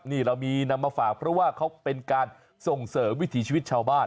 นี่เรามีนำมาฝากเพราะว่าเขาเป็นการส่งเสริมวิถีชีวิตชาวบ้าน